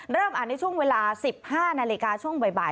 อ่านในช่วงเวลา๑๕นาฬิกาช่วงบ่าย